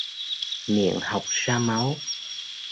Miệng hộc ra máu